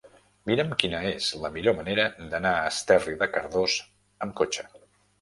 Mira'm quina és la millor manera d'anar a Esterri de Cardós amb cotxe.